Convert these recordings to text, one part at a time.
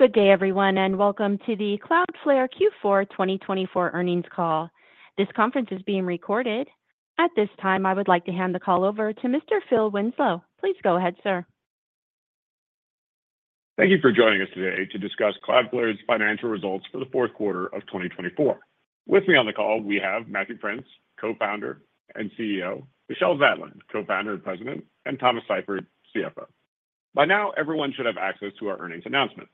Good day, everyone, and welcome to the Cloudflare Q4 2024 earnings call. This conference is being recorded. At this time, I would like to hand the call over to Mr. Phil Winslow. Please go ahead, sir. Thank you for joining us today to discuss Cloudflare's Financial Results for the Fourth Quarter of 2024. With me on the call, we have Matthew Prince, Co-founder and CEO, Michelle Zatlyn, Co-founder and President, and Thomas Seifert, CFO. By now, everyone should have access to our earnings announcement.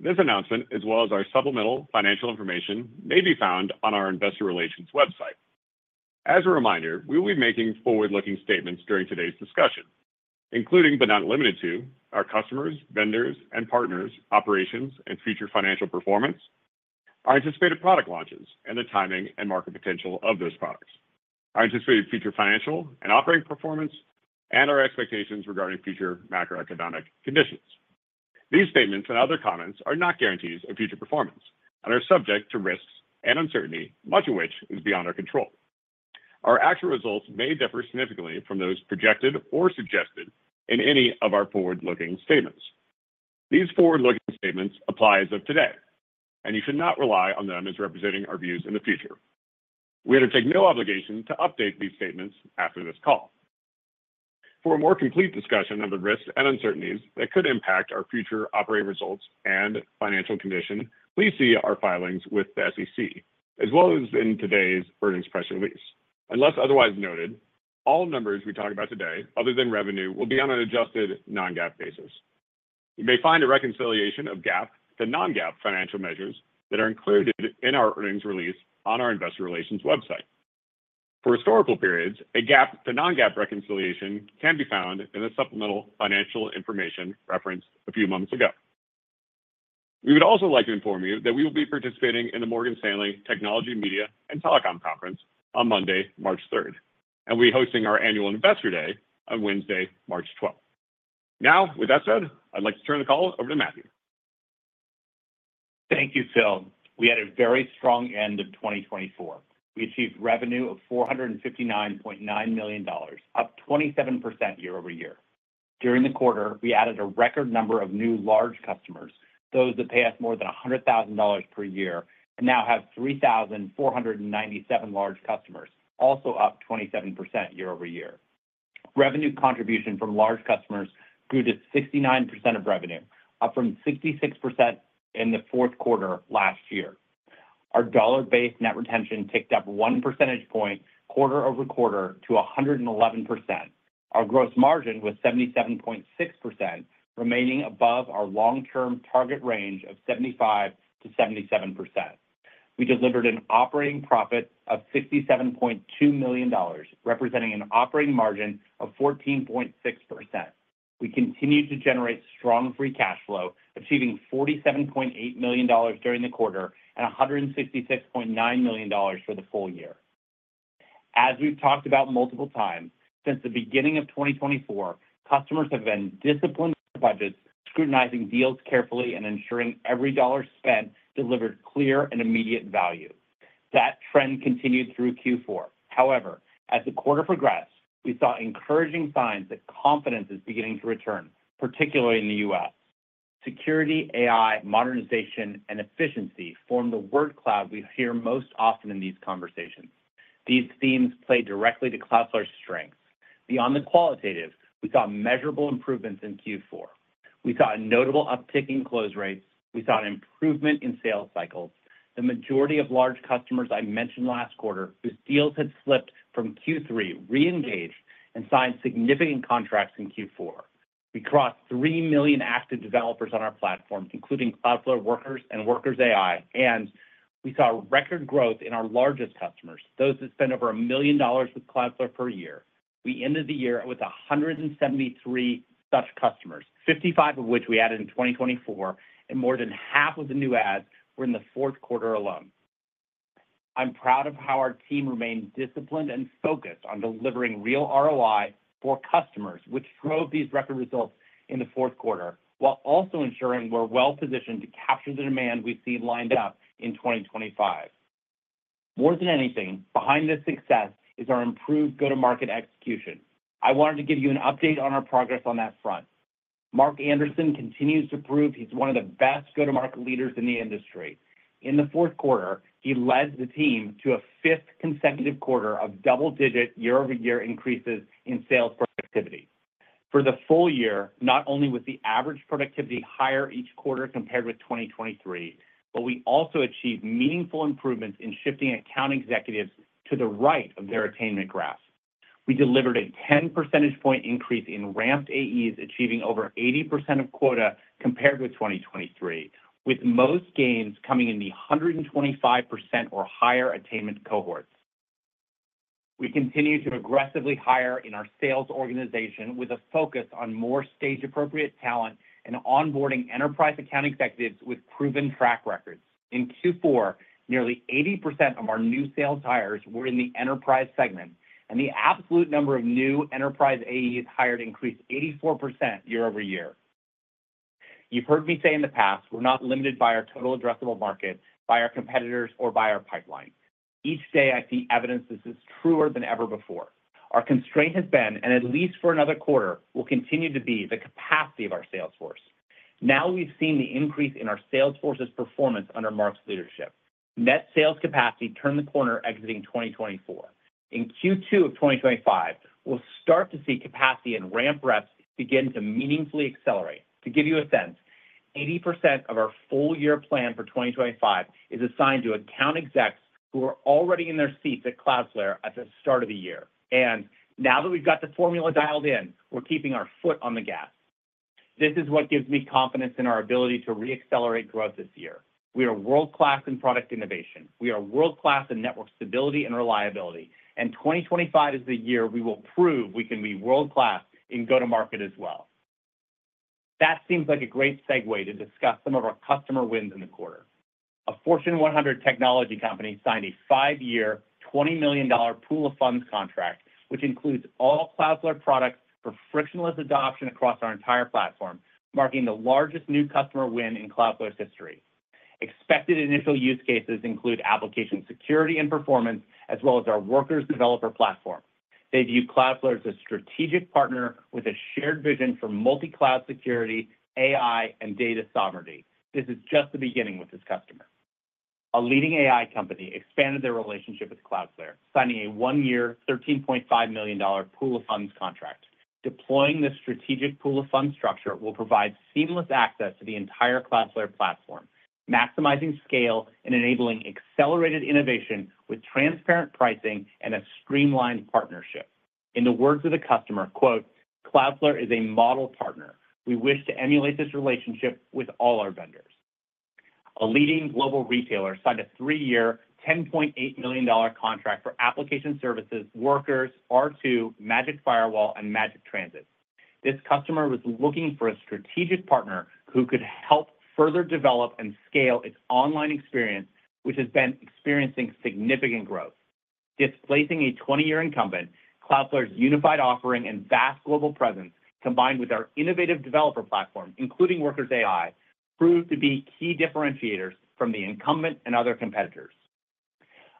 This announcement, as well as our supplemental financial information, may be found on our investor relations website. As a reminder, we will be making forward-looking statements during today's discussion, including but not limited to our customers, vendors, and partners, operations and future financial performance, our anticipated product launches, and the timing and market potential of those products, our anticipated future financial and operating performance, and our expectations regarding future macroeconomic conditions. These statements and other comments are not guarantees of future performance and are subject to risks and uncertainty, much of which is beyond our control. Our actual results may differ significantly from those projected or suggested in any of our forward-looking statements. These forward-looking statements apply as of today, and you should not rely on them as representing our views in the future. We undertake no obligation to update these statements after this call. For a more complete discussion of the risks and uncertainties that could impact our future operating results and financial condition, please see our filings with the SEC, as well as in today's earnings press release. Unless otherwise noted, all numbers we talk about today, other than revenue, will be on an adjusted non-GAAP basis. You may find a reconciliation of GAAP to non-GAAP financial measures that are included in our earnings release on our investor relations website. For historical periods, a GAAP to non-GAAP reconciliation can be found in the supplemental financial information referenced a few moments ago. We would also like to inform you that we will be participating in the Morgan Stanley Technology Media and Telecom Conference on Monday, March 3, and we'll be hosting our annual Investor Day on Wednesday, March 12. Now, with that said, I'd like to turn the call over to Matthew. Thank you, Phil. We had a very strong end of 2024. We achieved revenue of $459.9 million, up 27% year over year. During the quarter, we added a record number of new large customers, those that pay us more than $100,000 per year, and now have 3,497 large customers, also up 27% year over year. Revenue contribution from large customers grew to 69% of revenue, up from 66% in the fourth quarter last year. Our dollar-based net retention ticked up one percentage point quarter over quarter to 111%. Our gross margin was 77.6%, remaining above our long-term target range of 75%-77%. We delivered an operating profit of $67.2 million, representing an operating margin of 14.6%. We continued to generate strong free cash flow, achieving $47.8 million during the quarter and $166.9 million for the full year. As we've talked about multiple times, since the beginning of 2024, customers have been disciplined with their budgets, scrutinizing deals carefully and ensuring every dollar spent delivered clear and immediate value. That trend continued through Q4. However, as the quarter progressed, we saw encouraging signs that confidence is beginning to return, particularly in the U.S. Security, AI, modernization, and efficiency form the word cloud we hear most often in these conversations. These themes play directly to Cloudflare's strengths. Beyond the qualitative, we saw measurable improvements in Q4. We saw a notable uptick in close rates. We saw an improvement in sales cycles. The majority of large customers I mentioned last quarter, whose deals had slipped from Q3, re-engaged and signed significant contracts in Q4. We crossed 3 million active developers on our platform, including Cloudflare Workers and Workers AI, and we saw record growth in our largest customers, those that spend over $1 million with Cloudflare per year. We ended the year with 173 such customers, 55 of which we added in 2024, and more than half of the new adds were in the fourth quarter alone. I'm proud of how our team remained disciplined and focused on delivering real ROI for customers, which drove these record results in the fourth quarter, while also ensuring we're well-positioned to capture the demand we've seen lined up in 2025. More than anything, behind this success is our improved go-to-market execution. I wanted to give you an update on our progress on that front. Mark Anderson continues to prove he's one of the best go-to-market leaders in the industry. In the fourth quarter, he led the team to a fifth consecutive quarter of double-digit year-over-year increases in sales productivity. For the full year, not only was the average productivity higher each quarter compared with 2023, but we also achieved meaningful improvements in shifting account executives to the right of their attainment graph. We delivered a 10-percentage-point increase in ramped AEs, achieving over 80% of quota compared with 2023, with most gains coming in the 125% or higher attainment cohorts. We continue to aggressively hire in our sales organization with a focus on more stage-appropriate talent and onboarding enterprise account executives with proven track records. In Q4, nearly 80% of our new sales hires were in the enterprise segment, and the absolute number of new enterprise AEs hired increased 84% year-over-year. You've heard me say in the past, we're not limited by our total addressable market, by our competitors, or by our pipeline. Each day, I see evidence this is truer than ever before. Our constraint has been, and at least for another quarter, will continue to be the capacity of our sales force. Now we've seen the increase in our sales force's performance under Mark's leadership. Net sales capacity turned the corner exiting 2024. In Q2 of 2025, we'll start to see capacity and ramp reps begin to meaningfully accelerate. To give you a sense, 80% of our full-year plan for 2025 is assigned to account execs who are already in their seats at Cloudflare at the start of the year. And now that we've got the formula dialed in, we're keeping our foot on the gas. This is what gives me confidence in our ability to re-accelerate growth this year. We are world-class in product innovation. We are world-class in network stability and reliability. And 2025 is the year we will prove we can be world-class in go-to-market as well. That seems like a great segue to discuss some of our customer wins in the quarter. A Fortune 100 technology company signed a five-year, $20 million pool of funds contract, which includes all Cloudflare products for frictionless adoption across our entire platform, marking the largest new customer win in Cloudflare's history. Expected initial use cases include application security and performance, as well as our Workers developer platform. They view Cloudflare as a strategic partner with a shared vision for multi-cloud security, AI, and data sovereignty. This is just the beginning with this customer. A leading AI company expanded their relationship with Cloudflare, signing a one-year, $13.5 million pool of funds contract. Deploying this strategic pool of funds structure will provide seamless access to the entire Cloudflare platform, maximizing scale and enabling accelerated innovation with transparent pricing and a streamlined partnership. In the words of the customer, quote, "Cloudflare is a model partner. We wish to emulate this relationship with all our vendors." A leading global retailer signed a three-year, $10.8 million contract for Application Security, Workers, R2, Magic Firewall, and Magic Transit. This customer was looking for a strategic partner who could help further develop and scale its online experience, which has been experiencing significant growth. Displacing a 20-year incumbent, Cloudflare's unified offering and vast global presence, combined with our innovative developer platform, including Workers AI, proved to be key differentiators from the incumbent and other competitors.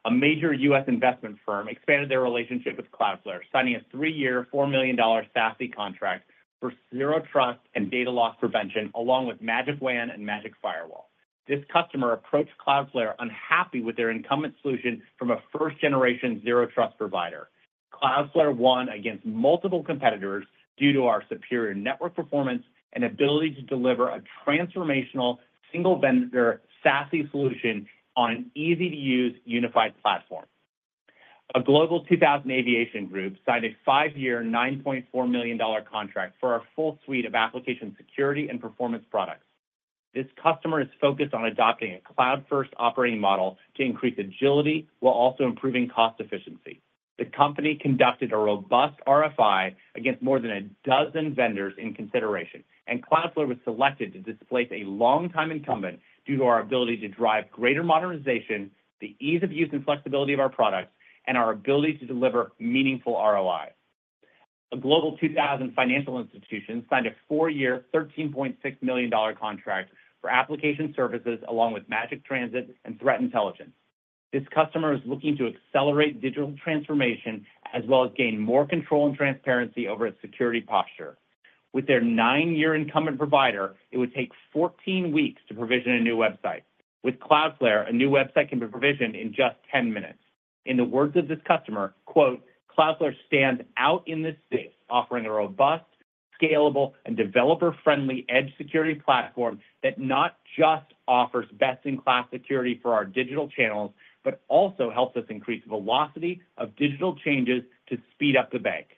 A major U.S. Investment firm expanded their relationship with Cloudflare, signing a three-year, $4 million SASE contract for zero trust and data loss prevention, along with Magic WAN and Magic Firewall. This customer approached Cloudflare unhappy with their incumbent solution from a first-generation zero trust provider. Cloudflare won against multiple competitors due to our superior network performance and ability to deliver a transformational single-vendor SASE solution on an easy-to-use unified platform. A Global 2000 Aviation Group signed a five-year, $9.4 million contract for our full suite of application security and performance products. This customer is focused on adopting a cloud-first operating model to increase agility while also improving cost efficiency. The company conducted a robust RFI against more than a dozen vendors in consideration, and Cloudflare was selected to displace a long-time incumbent due to our ability to drive greater modernization, the ease of use and flexibility of our products, and our ability to deliver meaningful ROI. A Global 2000 financial institution signed a four-year, $13.6 million contract for application services along with Magic Transit and threat intelligence. This customer is looking to accelerate digital transformation as well as gain more control and transparency over its security posture. With their nine-year incumbent provider, it would take 14 weeks to provision a new website. With Cloudflare, a new website can be provisioned in just 10 minutes. In the words of this customer, quote, "Cloudflare stands out in this space, offering a robust, scalable, and developer-friendly edge security platform that not just offers best-in-class security for our digital channels, but also helps us increase the velocity of digital changes to speed up the bank."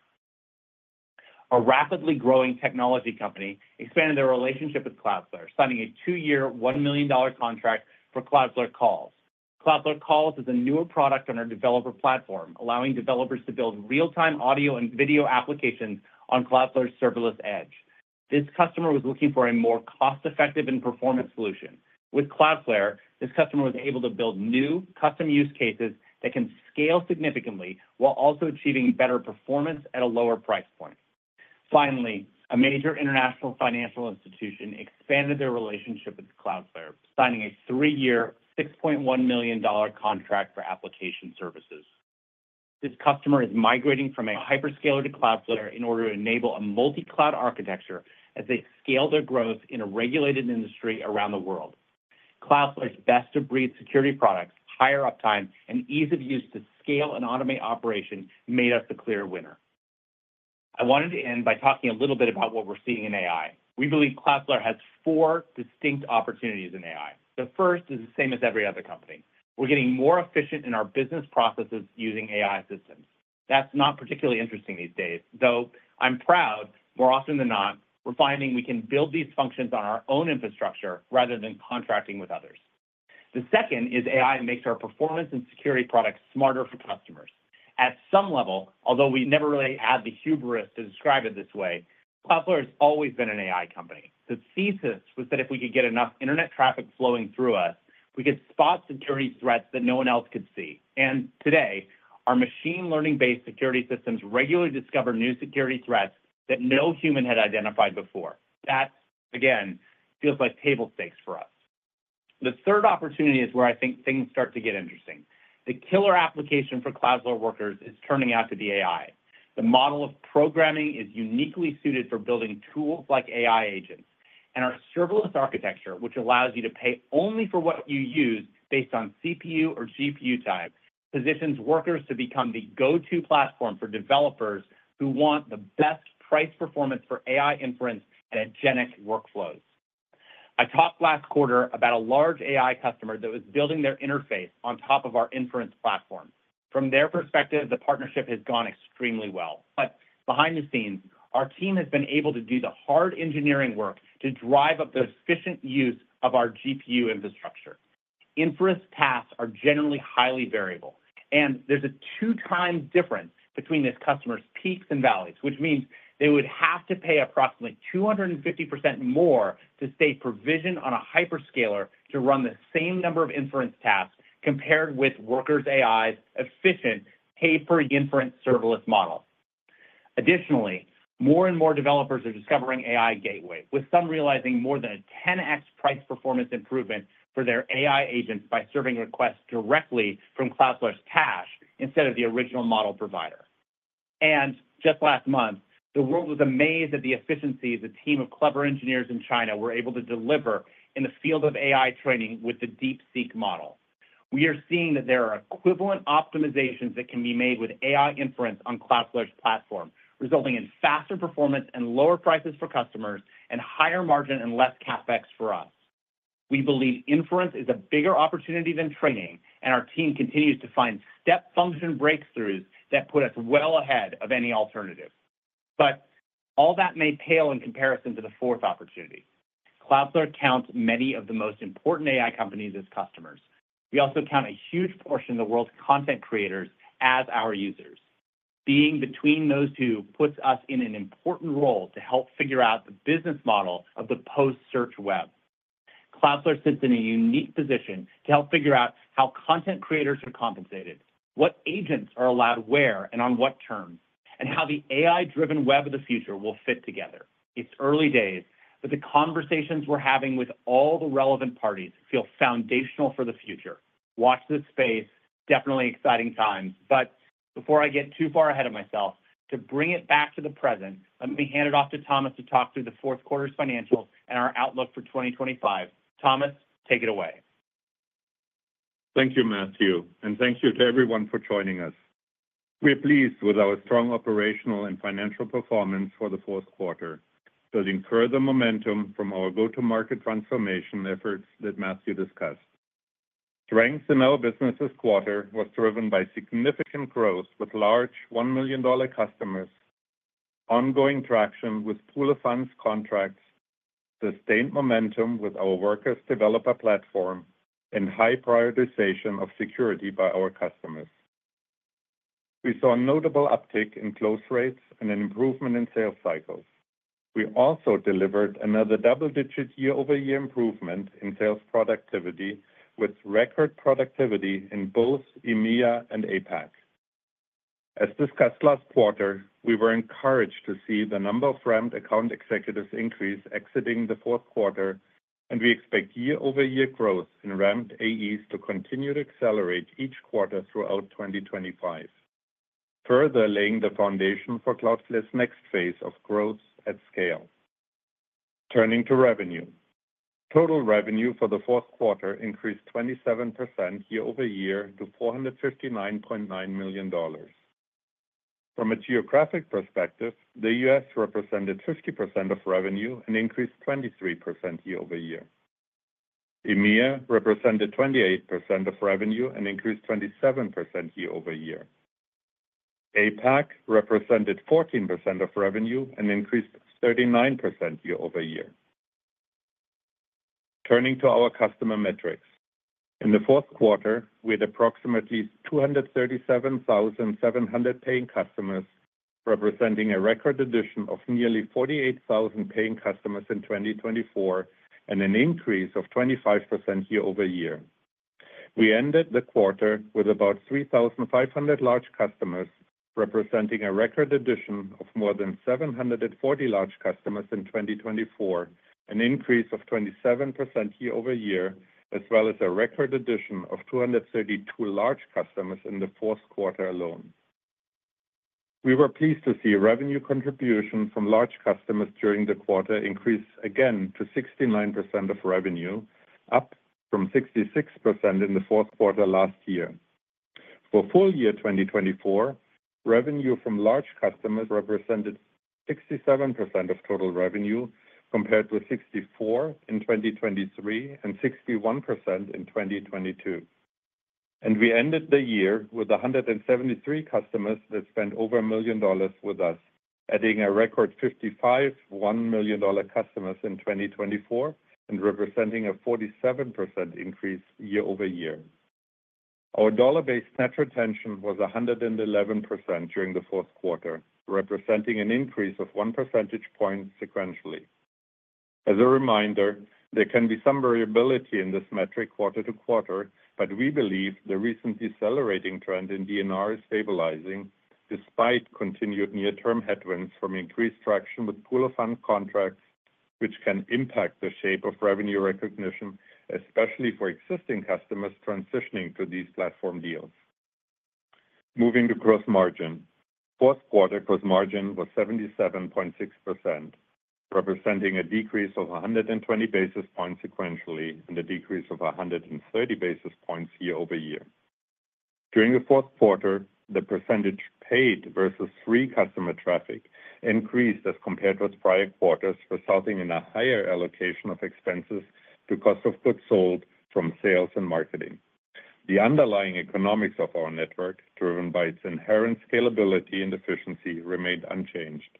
A rapidly growing technology company expanded their relationship with Cloudflare, signing a two-year, $1 million contract for Cloudflare Calls. Cloudflare Calls is a newer product on our developer platform, allowing developers to build real-time audio and video applications on Cloudflare's serverless edge. This customer was looking for a more cost-effective and performant solution. With Cloudflare, this customer was able to build new custom use cases that can scale significantly while also achieving better performance at a lower price point. Finally, a major international financial institution expanded their relationship with Cloudflare, signing a three-year, $6.1 million contract for application services. This customer is migrating from a hyperscaler to Cloudflare in order to enable a multi-cloud architecture as they scale their growth in a regulated industry around the world. Cloudflare's best-of-breed security products, higher uptime, and ease of use to scale and automate operation made us the clear winner. I wanted to end by talking a little bit about what we're seeing in AI. We believe Cloudflare has four distinct opportunities in AI. The first is the same as every other company. We're getting more efficient in our business processes using AI systems. That's not particularly interesting these days, though I'm proud more often than not we're finding we can build these functions on our own infrastructure rather than contracting with others. The second is AI makes our performance and security products smarter for customers. At some level, although we never really had the hubris to describe it this way, Cloudflare has always been an AI company. The thesis was that if we could get enough internet traffic flowing through us, we could spot security threats that no one else could see, and today, our machine-learning-based security systems regularly discover new security threats that no human had identified before. That, again, feels like table stakes for us. The third opportunity is where I think things start to get interesting. The killer application for Cloudflare Workers is turning out to be AI. The model of programming is uniquely suited for building tools like AI agents, and our serverless architecture, which allows you to pay only for what you use based on CPU or GPU time, positions Workers to become the go-to platform for developers who want the best price performance for AI inference and agentic workflows. I talked last quarter about a large AI customer that was building their interface on top of our inference platform. From their perspective, the partnership has gone extremely well. But behind the scenes, our team has been able to do the hard engineering work to drive up the efficient use of our GPU infrastructure. Inference tasks are generally highly variable, and there's a two-time difference between this customer's peaks and valleys, which means they would have to pay approximately 250% more to stay provisioned on a hyperscaler to run the same number of inference tasks compared with Workers AI's efficient per-inference serverless model. Additionally, more and more developers are discovering AI Gateway, with some realizing more than a 10x price performance improvement for their AI agents by serving requests directly from Cloudflare's cache instead of the original model provider. Just last month, the world was amazed at the efficiencies a team of clever engineers in China were able to deliver in the field of AI training with the DeepSeek model. We are seeing that there are equivalent optimizations that can be made with AI inference on Cloudflare's platform, resulting in faster performance and lower prices for customers and higher margin and less CapEx for us. We believe inference is a bigger opportunity than training, and our team continues to find step function breakthroughs that put us well ahead of any alternative. All that may pale in comparison to the fourth opportunity. Cloudflare counts many of the most important AI companies as customers. We also count a huge portion of the world's content creators as our users. Being between those two puts us in an important role to help figure out the business model of the post-search web. Cloudflare sits in a unique position to help figure out how content creators are compensated, what agents are allowed where and on what terms, and how the AI-driven web of the future will fit together. It's early days, but the conversations we're having with all the relevant parties feel foundational for the future. Watch this space. Definitely exciting times. But before I get too far ahead of myself, to bring it back to the present, let me hand it off to Thomas to talk through the fourth quarter's financials and our outlook for 2025. Thomas, take it away. Thank you, Matthew. And thank you to everyone for joining us. We're pleased with our strong operational and financial performance for the fourth quarter, building further momentum from our go-to-market transformation efforts that Matthew discussed. Strength in our business this quarter was driven by significant growth with large $1 million customers, ongoing traction with Pool of Funds contracts, sustained momentum with our Workers' developer platform, and high prioritization of security by our customers. We saw a notable uptick in close rates and an improvement in sales cycles. We also delivered another double-digit year-over-year improvement in sales productivity with record productivity in both EMEA and APAC. As discussed last quarter, we were encouraged to see the number of ramped account executives increase exiting the fourth quarter, and we expect year-over-year growth in ramped AEs to continue to accelerate each quarter throughout 2025, further laying the foundation for Cloudflare's next phase of growth at scale. Turning to revenue, total revenue for the fourth quarter increased 27% year-over-year to $459.9 million. From a geographic perspective, the U.S. represented 50% of revenue and increased 23% year-over-year. EMEA represented 28% of revenue and increased 27% year-over-year. APAC represented 14% of revenue and increased 39% year-over-year. Turning to our customer metrics, in the fourth quarter, we had approximately 237,700 paying customers, representing a record addition of nearly 48,000 paying customers in 2024 and an increase of 25% year-over-year. We ended the quarter with about 3,500 large customers, representing a record addition of more than 740 large customers in 2024, an increase of 27% year-over-year, as well as a record addition of 232 large customers in the fourth quarter alone. We were pleased to see revenue contributions from large customers during the quarter increase again to 69% of revenue, up from 66% in the fourth quarter last year. For full year 2024, revenue from large customers represented 67% of total revenue compared with 64% in 2023 and 61% in 2022. We ended the year with 173 customers that spent over $1 million with us, adding a record 55 $1 million customers in 2024 and representing a 47% increase year-over-year. Our dollar-based net retention was 111% during the fourth quarter, representing an increase of one percentage point sequentially. As a reminder, there can be some variability in this metric quarter to quarter, but we believe the recently accelerating trend in DNR is stabilizing despite continued near-term headwinds from increased traction with pool of funds contracts, which can impact the shape of revenue recognition, especially for existing customers transitioning to these platform deals. Moving to gross margin, fourth quarter gross margin was 77.6%, representing a decrease of 120 basis points sequentially and a decrease of 130 basis points year-over-year. During the fourth quarter, the percentage paid versus free customer traffic increased as compared to its prior quarters, resulting in a higher allocation of expenses to cost of goods sold from sales and marketing. The underlying economics of our network, driven by its inherent scalability and efficiency, remained unchanged.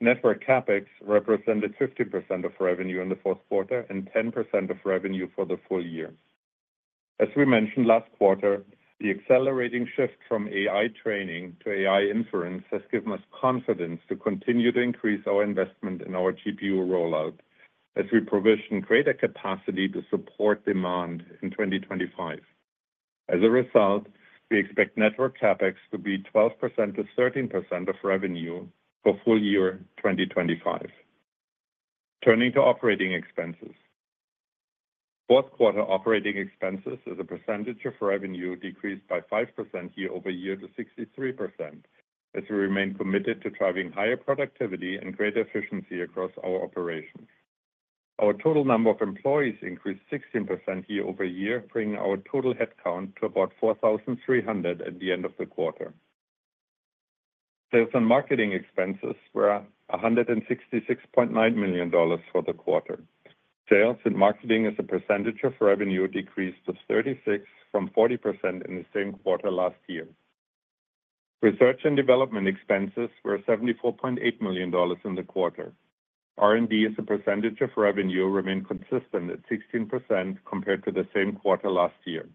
Network CapEx represented 50% of revenue in the fourth quarter and 10% of revenue for the full year. As we mentioned last quarter, the accelerating shift from AI training to AI inference has given us confidence to continue to increase our investment in our GPU rollout as we provision greater capacity to support demand in 2025. As a result, we expect network CapEx to be 12%-13% of revenue for full year 2025. Turning to operating expenses, fourth quarter operating expenses is a percentage of revenue decreased by 5% year-over-year to 63% as we remain committed to driving higher productivity and greater efficiency across our operations. Our total number of employees increased 16% year-over-year, bringing our total headcount to about 4,300 at the end of the quarter. Sales and marketing expenses were $166.9 million for the quarter. Sales and marketing as a percentage of revenue decreased to 36% from 40% in the same quarter last year. Research and development expenses were $74.8 million in the quarter. R&D as a percentage of revenue remained consistent at 16% compared to the same quarter last year.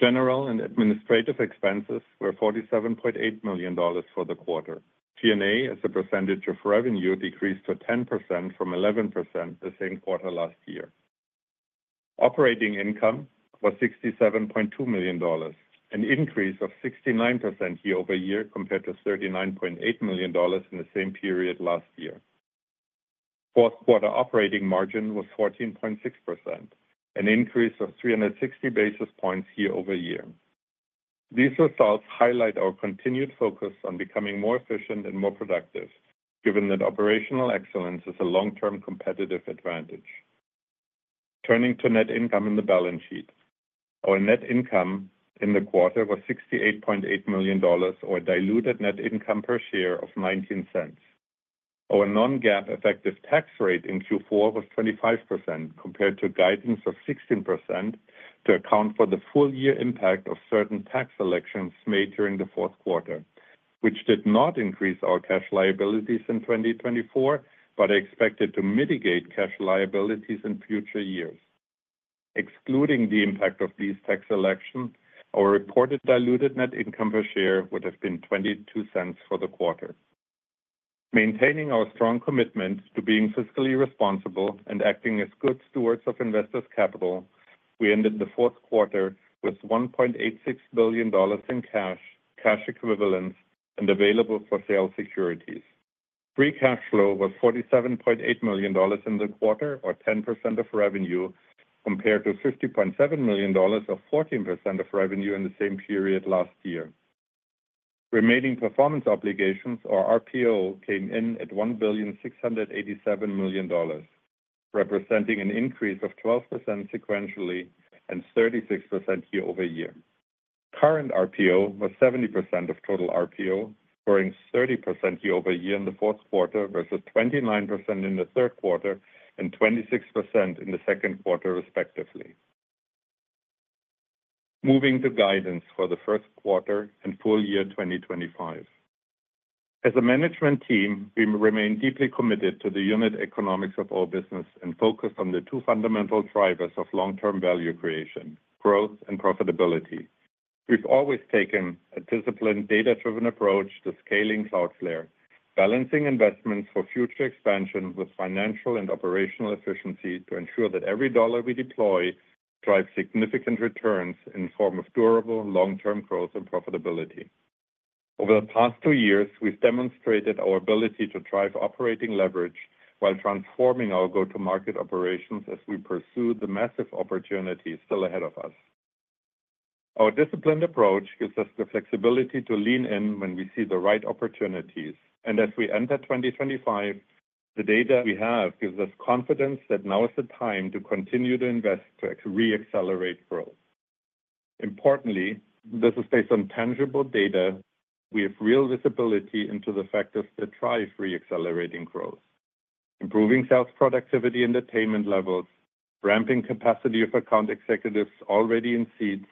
General and administrative expenses were $47.8 million for the quarter. G&A as a percentage of revenue decreased to 10% from 11% the same quarter last year. Operating income was $67.2 million, an increase of 69% year-over-year compared to $39.8 million in the same period last year. Fourth quarter operating margin was 14.6%, an increase of 360 basis points year-over-year. These results highlight our continued focus on becoming more efficient and more productive, given that operational excellence is a long-term competitive advantage. Turning to net income in the balance sheet, our net income in the quarter was $68.8 million, or a diluted net income per share of $0.19. Our non-GAAP effective tax rate in Q4 was 25% compared to a guidance of 16% to account for the full year impact of certain tax elections made during the fourth quarter, which did not increase our cash liabilities in 2024 but expected to mitigate cash liabilities in future years. Excluding the impact of these tax elections, our reported diluted net income per share would have been $0.22 for the quarter. Maintaining our strong commitment to being fiscally responsible and acting as good stewards of investors' capital, we ended the fourth quarter with $1.86 billion in cash, cash equivalents, and available-for-sale securities. Free cash flow was $47.8 million in the quarter, or 10% of revenue, compared to $50.7 million or 14% of revenue in the same period last year. Remaining performance obligations, or RPO, came in at $1,687 million, representing an increase of 12% sequentially and 36% year-over-year. Current RPO was 70% of total RPO, growing 30% year-over-year in the fourth quarter versus 29% in the third quarter and 26% in the second quarter, respectively. Moving to guidance for the first quarter and full year 2025. As a management team, we remain deeply committed to the unit economics of our business and focus on the two fundamental drivers of long-term value creation: growth and profitability. We've always taken a disciplined, data-driven approach to scaling Cloudflare, balancing investments for future expansion with financial and operational efficiency to ensure that every dollar we deploy drives significant returns in the form of durable, long-term growth and profitability. Over the past two years, we've demonstrated our ability to drive operating leverage while transforming our go-to-market operations as we pursue the massive opportunities still ahead of us. Our disciplined approach gives us the flexibility to lean in when we see the right opportunities. And as we enter 2025, the data we have gives us confidence that now is the time to continue to invest to re-accelerate growth. Importantly, this is based on tangible data. We have real visibility into the factors that drive re-accelerating growth: improving sales productivity and attainment levels, ramping capacity of account executives already in seats,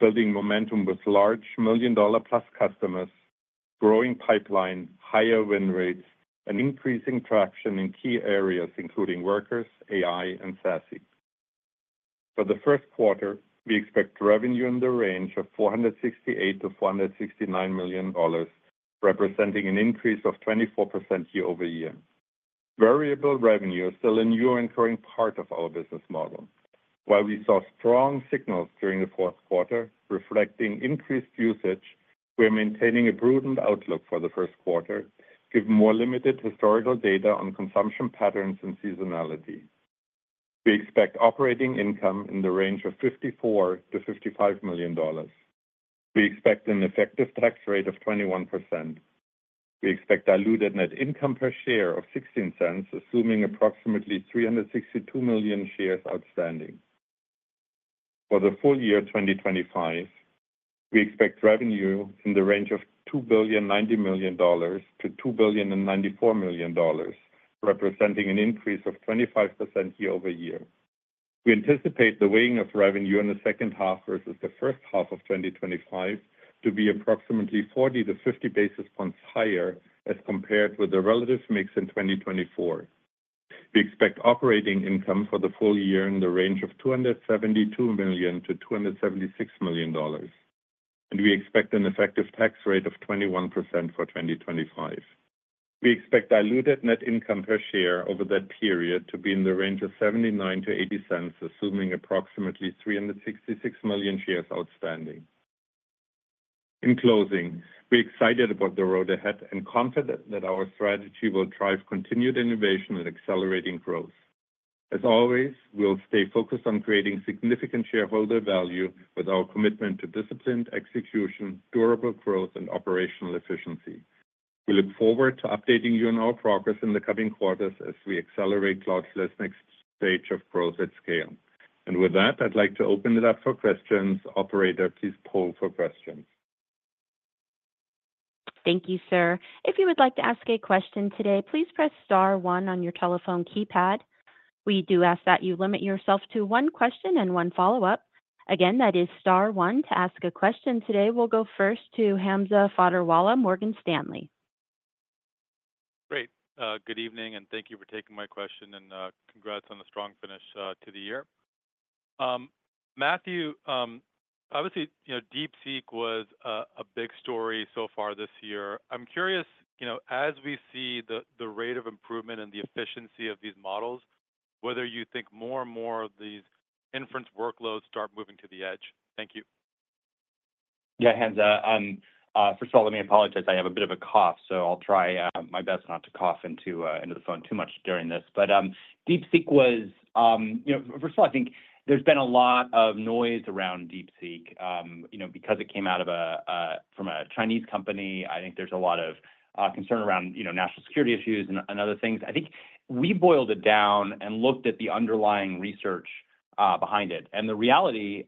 building momentum with large million-dollar-plus customers, growing pipeline, higher win rates, and increasing traction in key areas including workers, AI, and SASE. For the first quarter, we expect revenue in the range of $468-$469 million, representing an increase of 24% year-over-year. Variable revenue is still a new and growing part of our business model. While we saw strong signals during the fourth quarter reflecting increased usage, we are maintaining a prudent outlook for the first quarter, given more limited historical data on consumption patterns and seasonality. We expect operating income in the range of $54-$55 million. We expect an effective tax rate of 21%. We expect diluted net income per share of $0.16, assuming approximately 362 million shares outstanding. For the full year 2025, we expect revenue in the range of $2,090-$2,094 million, representing an increase of 25% year-over-year. We anticipate the weighting of revenue in the second half versus the first half of 2025 to be approximately 40-50 basis points higher as compared with the relative mix in 2024. We expect operating income for the full year in the range of $272-$276 million, and we expect an effective tax rate of 21% for 2025. We expect diluted net income per share over that period to be in the range of $0.79-$0.80, assuming approximately 366 million shares outstanding. In closing, we're excited about the road ahead and confident that our strategy will drive continued innovation and accelerating growth. As always, we'll stay focused on creating significant shareholder value with our commitment to disciplined execution, durable growth, and operational efficiency. We look forward to updating you on our progress in the coming quarters as we accelerate Cloudflare's next stage of growth at scale. And with that, I'd like to open it up for questions. Operator, please poll for questions. Thank you, sir. If you would like to ask a question today, please press star one on your telephone keypad. We do ask that you limit yourself to one question and one follow-up. Again, that is star one to ask a question today. We'll go first to Hamza Fodderwala, Morgan Stanley. Great. Good evening, and thank you for taking my question and congrats on a strong finish to the year. Matthew, obviously, DeepSeek was a big story so far this year. I'm curious, as we see the rate of improvement and the efficiency of these models, whether you think more and more of these inference workloads start moving to the edge. Thank you. Yeah, Hamza. First of all, let me apologize. I have a bit of a cough, so I'll try my best not to cough into the phone too much during this. But DeepSeek was, first of all, I think there's been a lot of noise around DeepSeek because it came out from a Chinese company. I think there's a lot of concern around national security issues and other things. I think we boiled it down and looked at the underlying research behind it. And the reality,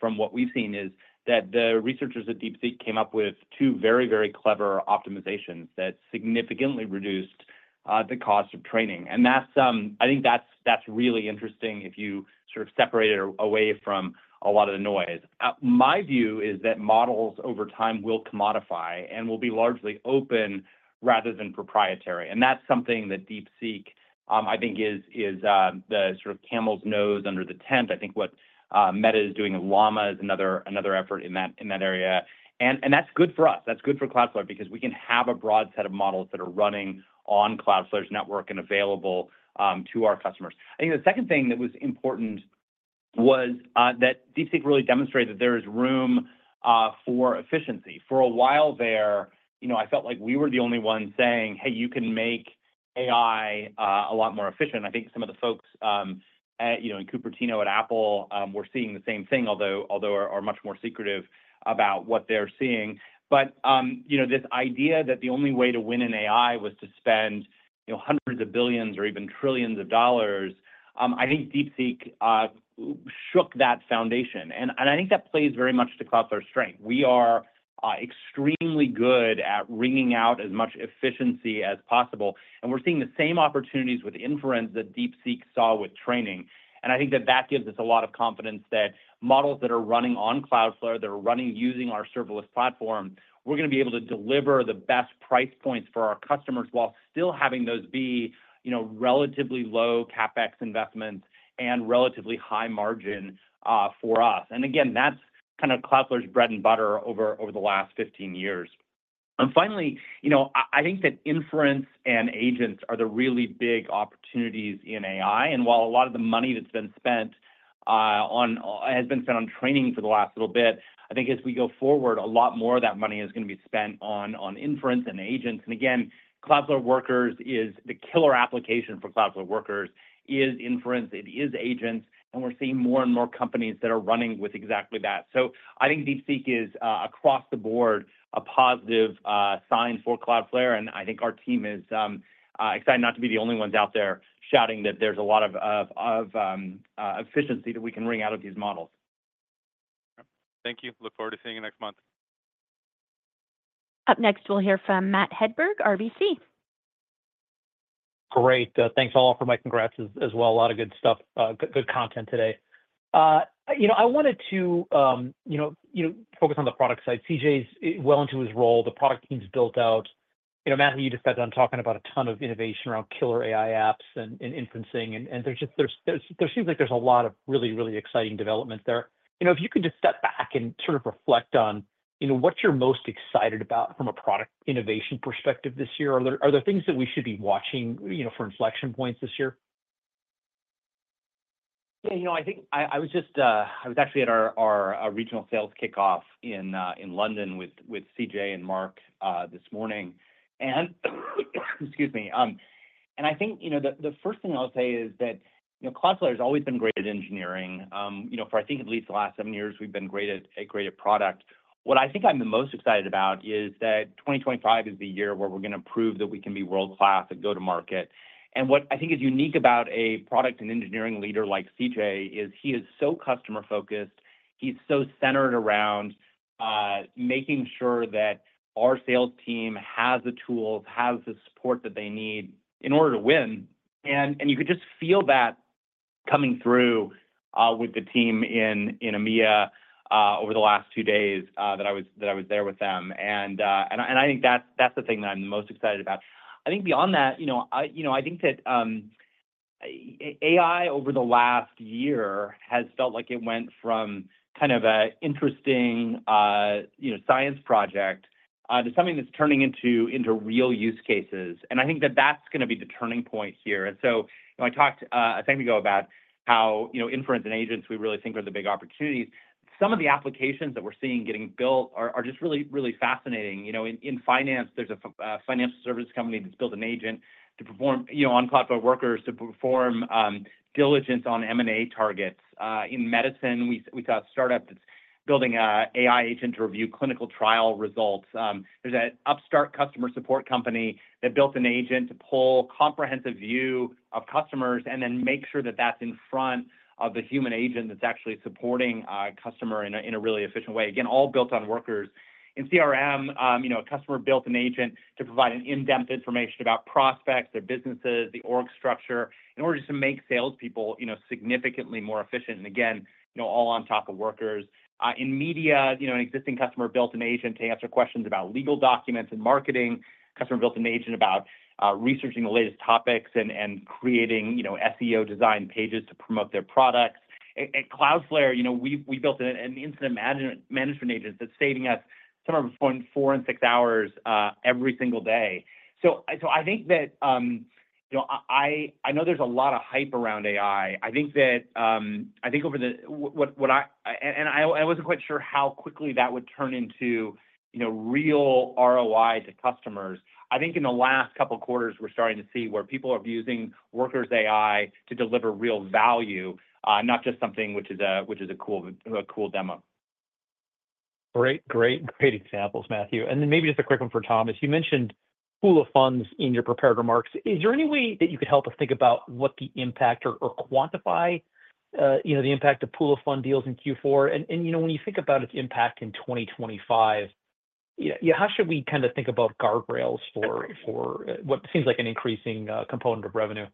from what we've seen, is that the researchers at DeepSeek came up with two very, very clever optimizations that significantly reduced the cost of training. And I think that's really interesting if you sort of separate it away from a lot of the noise. My view is that models over time will commodify and will be largely open rather than proprietary. And that's something that DeepSeek, I think, is the sort of camel's nose under the tent. I think what Meta is doing, Llama is another effort in that area. And that's good for us. That's good for Cloudflare because we can have a broad set of models that are running on Cloudflare's network and available to our customers. I think the second thing that was important was that DeepSeek really demonstrated that there is room for efficiency. For a while there, I felt like we were the only ones saying, "Hey, you can make AI a lot more efficient." I think some of the folks in Cupertino at Apple were seeing the same thing, although they are much more secretive about what they're seeing. But this idea that the only way to win in AI was to spend hundreds of billions or even trillions of dollars, I think DeepSeek shook that foundation, and I think that plays very much to Cloudflare's strength. We are extremely good at wringing out as much efficiency as possible. And we're seeing the same opportunities with inference that DeepSeek saw with training. And I think that that gives us a lot of confidence that models that are running on Cloudflare, that are running using our serverless platform, we're going to be able to deliver the best price points for our customers while still having those be relatively low CapEx investments and relatively high margin for us. And again, that's kind of Cloudflare's bread and butter over the last 15 years. And finally, I think that inference and agents are the really big opportunities in AI. And while a lot of the money that's been spent has been spent on training for the last little bit, I think as we go forward, a lot more of that money is going to be spent on inference and agents. And again, Cloudflare Workers is the killer application for Cloudflare Workers, is inference, it is agents, and we're seeing more and more companies that are running with exactly that. So I think DeepSeek is, across the board, a positive sign for Cloudflare. And I think our team is excited not to be the only ones out there shouting that there's a lot of efficiency that we can wring out of these models. Thank you. Look forward to seeing you next month. Up next, we'll hear from Matt Hedberg, RBC. Great. Thanks all for my congrats as well. A lot of good stuff, good content today. I wanted to focus on the product side. CJ is well into his role. The product team's built out. Matthew, you just sat down talking about a ton of innovation around killer AI apps and inferencing. There seems like there's a lot of really, really exciting developments there. If you could just step back and sort of reflect on what you're most excited about from a product innovation perspective this year, are there things that we should be watching for inflection points this year? Yeah. I think I was actually at our regional sales kickoff in London with CJ and Mark this morning. Excuse me. I think the first thing I'll say is that Cloudflare has always been great at engineering. For, I think, at least the last seven years, we've been great at product. What I think I'm the most excited about is that 2025 is the year where we're going to prove that we can be world-class at go-to-market. What I think is unique about a product and engineering leader like CJ is he is so customer-focused. He's so centered around making sure that our sales team has the tools, has the support that they need in order to win, and you could just feel that coming through with the team in EMEA over the last two days that I was there with them, and I think that's the thing that I'm the most excited about. I think beyond that, I think that AI over the last year has felt like it went from kind of an interesting science project to something that's turning into real use cases, and I think that that's going to be the turning point here, and so I talked a second ago about how inference and agents, we really think are the big opportunities. Some of the applications that we're seeing getting built are just really, really fascinating. In finance, there's a financial services company that's built an agent on Cloudflare Workers to perform diligence on M&A targets. In medicine, we saw a startup that's building an AI agent to review clinical trial results. There's an upstart customer support company that built an agent to pull a comprehensive view of customers and then make sure that that's in front of the human agent that's actually supporting a customer in a really efficient way. Again, all built on Workers. In CRM, a customer built an agent to provide in-depth information about prospects, their businesses, the org structure in order to make salespeople significantly more efficient. And again, all on top of Workers. In media, an existing customer built an agent to answer questions about legal documents and marketing. A customer built an agent about researching the latest topics and creating SEO design pages to promote their products. At Cloudflare, we built an incident management agent that's saving us somewhere between four and six hours every single day. So I think that I know there's a lot of hype around AI. I think over the and I wasn't quite sure how quickly that would turn into real ROI to customers. I think in the last couple of quarters, we're starting to see where people are using Workers' AI to deliver real value, not just something which is a cool demo. Great, great, great examples, Matthew. And then maybe just a quick one for Thomas. You mentioned pool of funds in your prepared remarks. Is there any way that you could help us think about what the impact or quantify the impact of pool of funds deals in Q4? And when you think about its impact in 2025, how should we kind of think about guardrails for what seems like an increasing component of revenue?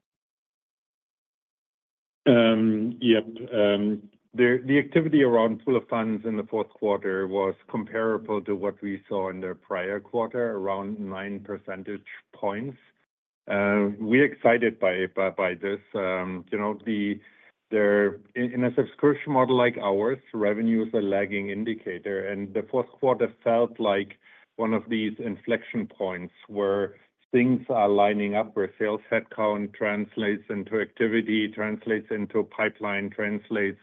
Yep. The activity around pool of funds in the fourth quarter was comparable to what we saw in the prior quarter, around nine percentage points. We're excited by this. In a subscription model like ours, revenue is a lagging indicator. And the fourth quarter felt like one of these inflection points where things are lining up, where sales headcount translates into activity, translates into pipeline, translates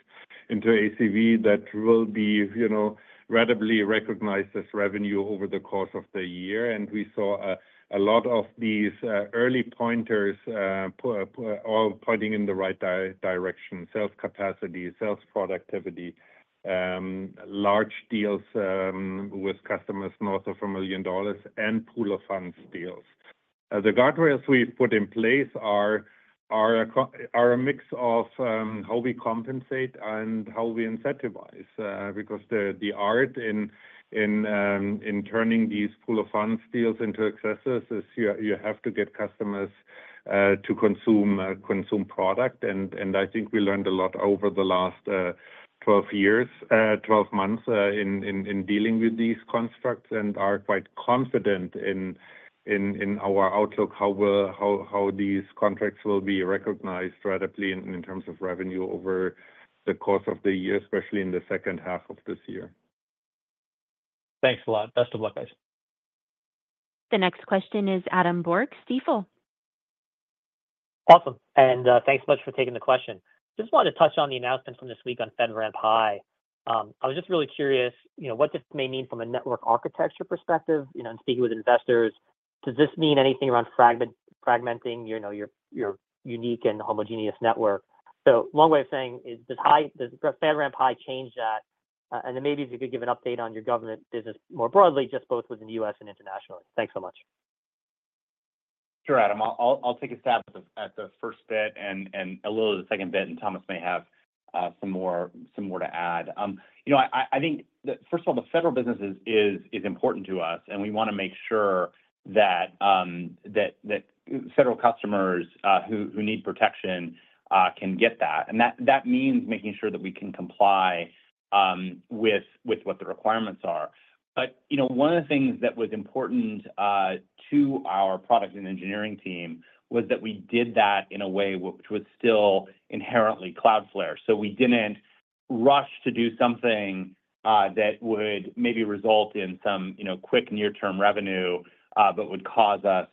into ACV that will be readily recognized as revenue over the course of the year. And we saw a lot of these early pointers all pointing in the right direction: sales capacity, sales productivity, large deals with customers north of $1 million, and pool of funds deals. The guardrails we've put in place are a mix of how we compensate and how we incentivize. Because the art in turning these pool of funds deals into accessories is you have to get customers to consume product. And I think we learned a lot over the last 12 months in dealing with these constructs and are quite confident in our outlook, how these contracts will be recognized ratably in terms of revenue over the course of the year, especially in the second half of this year. Thanks a lot. Best of luck, guys. The next question is Adam Borg, Stifel. Awesome. And thanks so much for taking the question. Just wanted to touch on the announcements from this week on FedRAMP High. I was just really curious what this may mean from a network architecture perspective. And speaking with investors, does this mean anything around fragmenting your unique and homogeneous network? So, a long way of saying, does FedRAMP High change that? And then maybe if you could give an update on your government business more broadly, just both within the U.S. and internationally. Thanks so much. Sure, Adam. I'll take a stab at the first bit and a little of the second bit, and Thomas may have some more to add. I think, first of all, the federal business is important to us, and we want to make sure that federal customers who need protection can get that. And that means making sure that we can comply with what the requirements are. But one of the things that was important to our product and engineering team was that we did that in a way which was still inherently Cloudflare. We didn't rush to do something that would maybe result in some quick near-term revenue but would cause us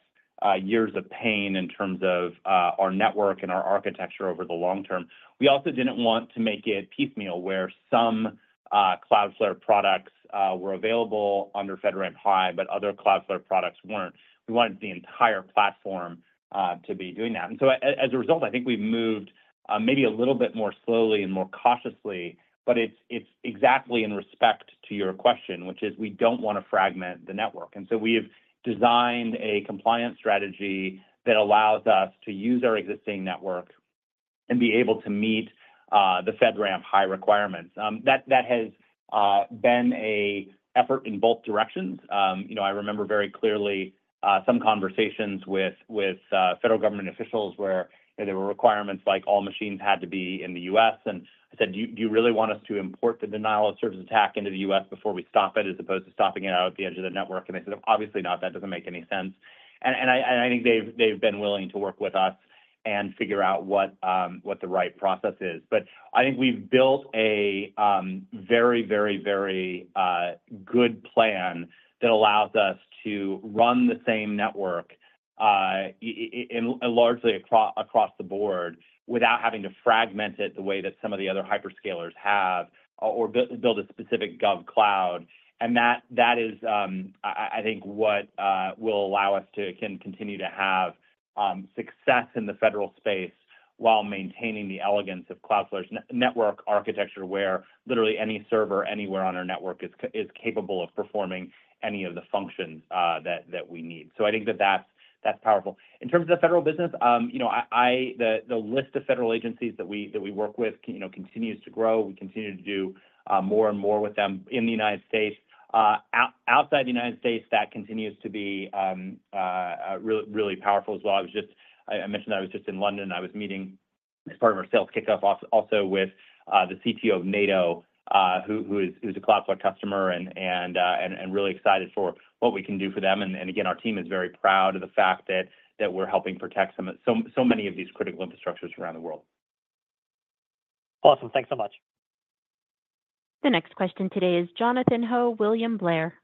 years of pain in terms of our network and our architecture over the long term. We also didn't want to make it piecemeal where some Cloudflare products were available under FedRAMP High, but other Cloudflare products weren't. We wanted the entire platform to be doing that. As a result, I think we've moved maybe a little bit more slowly and more cautiously, but it's exactly in respect to your question, which is we don't want to fragment the network. We have designed a compliance strategy that allows us to use our existing network and be able to meet the FedRAMP High requirements. That has been an effort in both directions. I remember very clearly some conversations with federal government officials where there were requirements like all machines had to be in the U.S. And I said, "Do you really want us to import the denial of service attack into the U.S. before we stop it as opposed to stopping it out at the edge of the network?" And they said, "Obviously not. That doesn't make any sense." And I think they've been willing to work with us and figure out what the right process is. But I think we've built a very, very, very good plan that allows us to run the same network largely across the board without having to fragment it the way that some of the other hyperscalers have or build a specific gov cloud. That is, I think, what will allow us to continue to have success in the federal space while maintaining the elegance of Cloudflare's network architecture where literally any server anywhere on our network is capable of performing any of the functions that we need. So I think that that's powerful. In terms of the federal business, the list of federal agencies that we work with continues to grow. We continue to do more and more with them in the United States. Outside the United States, that continues to be really powerful as well. I mentioned that I was just in London. I was meeting as part of our sales kickoff also with the CTO of NATO, who is a Cloudflare customer and really excited for what we can do for them. And again, our team is very proud of the fact that we're helping protect so many of these critical infrastructures around the world. Awesome. Thanks so much. The next question today is Jonathan Ho, William Blair.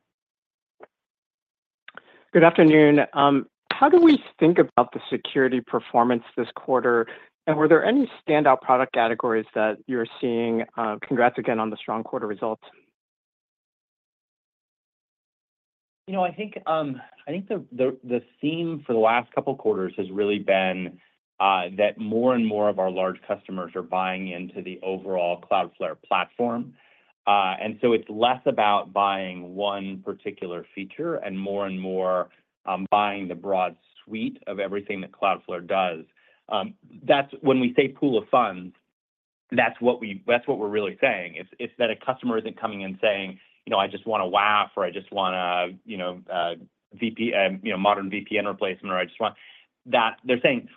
Good afternoon. How do we think about the security performance this quarter? And were there any standout product categories that you're seeing? Congrats again on the strong quarter results. I think the theme for the last couple of quarters has really been that more and more of our large customers are buying into the overall Cloudflare platform. And so it's less about buying one particular feature and more and more buying the broad suite of everything that Cloudflare does. When we say pool of funds, that's what we're really saying. It's that a customer isn't coming in saying, "I just want a WAF," or, "I just want a modern VPN replacement," or, "I just want." They're saying,